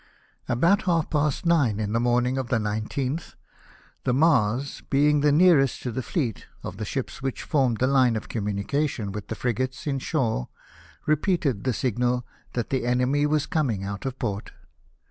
ALmjiii halt pijsi nine iu lIk murning of iUf 19th, the Mars, being the nearest to the fleet of the ships which formed the line of communication with the frigates in shore, repeated the signal that the enemy were coming out of port.